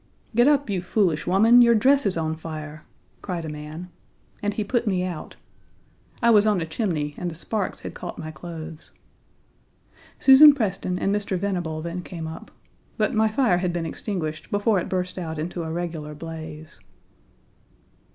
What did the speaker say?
"Get up, you foolish woman. Your dress is on fire," cried a man. And he put me out. I was on a chimney and the sparks had caught my clothes. Susan Preston and Mr. Venable then came up. But my fire had been extinguished before it burst out into a regular blaze.